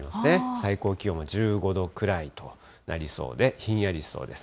最高気温は１５度くらいとなりそうで、ひんやりしそうです。